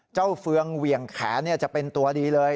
เฟืองเหวี่ยงแขนจะเป็นตัวดีเลย